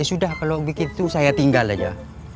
ya sudah kalau begitu saya tinggal aja